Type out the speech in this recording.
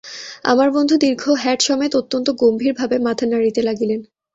আমার বন্ধু দীর্ঘ হ্যাট সমেত অত্যন্ত গম্ভীরভাবে মাথা নাড়িতে লাগিলেন।